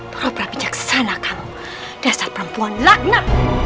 propramijaksana kamu dasar perempuan lakna